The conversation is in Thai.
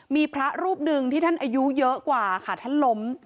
มีพระรูปหนึ่งที่ท่านอายุเยอะกว่าค่ะท่านล้ม